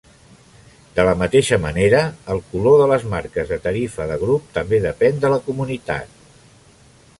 De la mateixa manera, el color de les marques de tarifa de grup també depèn de la comunitat.